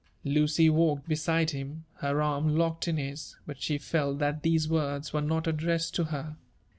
Lucy walked beside him, her arm locked in his ; but she felt that these words were not addressed to her.